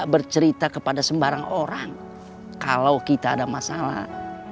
bercerita kepada sembarang orang kalau kita ada masalah